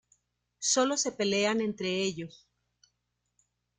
Sólo se pelean entre ellos.